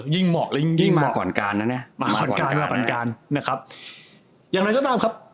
ยิ่งเหมาะมาก่อนการณ์นะเนี่ยมาก่อนการณ์นะครับยังไงก็ตามครับ